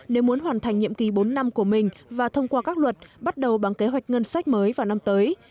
nếu muốn hoàn thành nhiệm kỳ bốn năm của mình và thông qua các luật bắt đầu bằng kế hoạch ngân sách mới vào năm tới